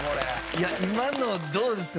いや今のどうですか？